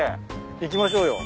行きましょうよ。